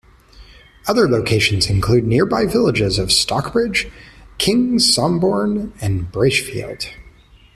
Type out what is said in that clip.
Other locations include nearby villages of Stockbridge, King's Somborne and Braishfield.